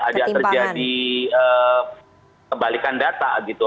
ada terjadi kebalikan data gitu